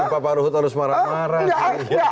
pak ruhut harus marah marah